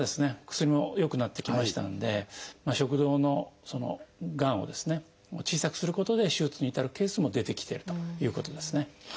薬も良くなってきましたので食道のがんをですね小さくすることで手術に至るケースも出てきてるということですね。